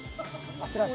焦らず。